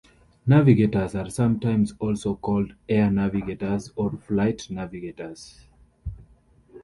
Navigators are sometimes also called 'air navigators' or 'flight navigators'.